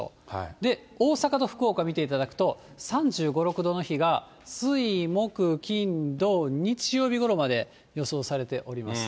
で、大阪と福岡見ていただくと、３５、６度の日が水、木、金、土、日曜日ごろまで予想されております。